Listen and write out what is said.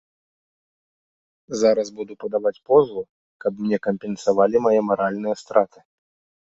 Зараз буду падаваць позву, каб мне кампенсавалі мае маральныя страты.